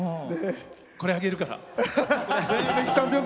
これ、あげるから。